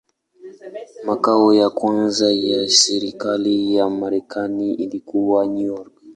Makao ya kwanza ya serikali ya Marekani ilikuwa New York.